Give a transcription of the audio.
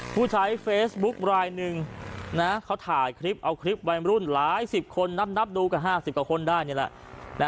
ผู้ใช้เฟซบุ๊คลายหนึ่งเขาถ่ายคลิปเอาคลิปวัยรุ่นหลายสิบคนนับดูก็๕๐กว่าคนได้นี่แหละ